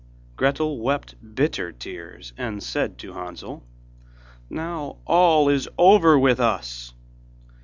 Gretel wept bitter tears, and said to Hansel: 'Now all is over with us.